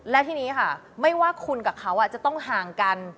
และทีนี้ค่ะไม่ว่าคุณกับเขาจะต้องห่างกัน